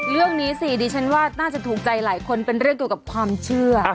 เรื่องนี้สิดิฉันว่าน่าจะถูกใจหลายคนเป็นเรื่องเกี่ยวกับความเชื่อ